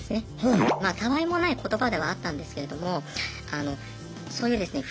まあたあいもない言葉ではあったんですけれどもそういうですね